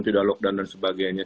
tidak lockdown dan sebagainya